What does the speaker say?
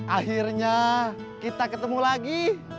akhirnya kita ketemu lagi